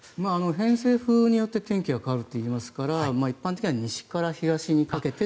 偏西風によって天気が変わるといいますから一般的には西から東にかけて。